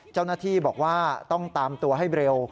เจ้าหน้าที่บอกว่าต้องตามตัวให้เร็ว